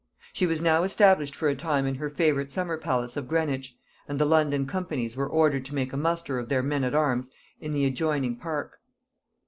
She was now established for a time in her favorite summer palace of Greenwich, and the London companies were ordered to make a muster of their men at arms in the adjoining park.